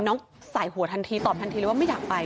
น้องสายหัวทันทีตอบทันทีเลยว่าไม่อยากไป